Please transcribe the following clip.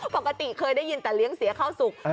ปกติเคยได้ยินแต่เลี้ยงเสียข้าวสุก